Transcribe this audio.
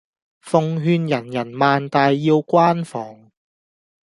奉勸人人萬大要關防